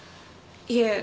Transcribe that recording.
いえ。